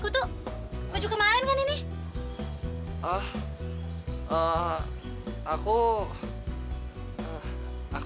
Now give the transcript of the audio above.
terima kasih abah